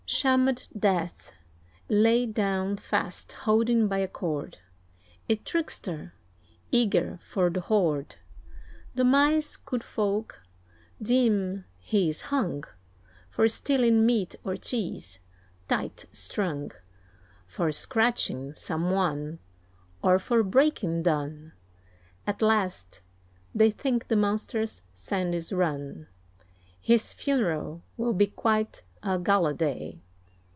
Shammed death, laid down fast holding by a cord; A trickster, eager for the horde The mice, good folk, deem he is hung For stealing meat or cheese, tight strung For scratching some one, or for breaking done. At last they think the monster's sand is run; His funeral will be quite a gala day.